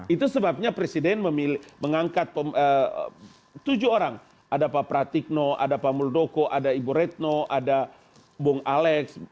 itu sebabnya presiden mengangkat tujuh orang ada pak pratikno ada pak muldoko ada ibu retno ada bung alex